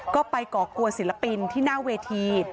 ก็ไปก่อกวนศิลปินที่หน้าเวที